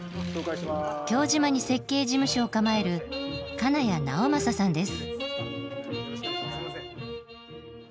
京島に設計事務所を構える金谷直政さんです。